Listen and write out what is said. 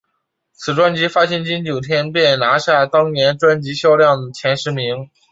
此专辑发行仅九天便拿下当年专辑销售量前十名。